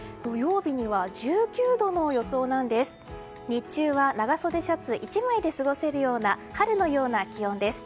日中は長袖シャツ１枚で過ごせるような春のような気温です。